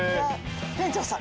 店長さん？